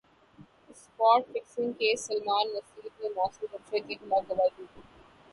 spot fixing case Salman Naseer نے ناصر جمشید کیخلاف گواہی دے دی